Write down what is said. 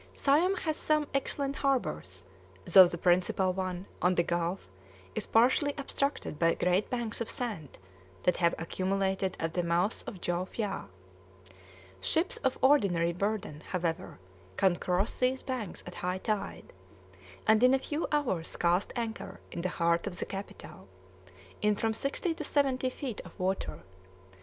Siam has some excellent harbors, though the principal one, on the gulf, is partially obstructed by great banks of sand that have accumulated at the mouth of the Chow Phya. Ships of ordinary burden, however, can cross these banks at high tide, and in a few hours cast anchor in the heart of the capital, in from sixty to seventy feet of water.